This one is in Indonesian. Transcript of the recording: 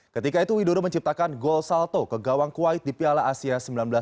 ketika itu widodo menciptakan gol salto ke gawang kuwait di piala asia seribu sembilan ratus sembilan puluh